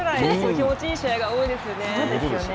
気持ちいい試合が多いですよね。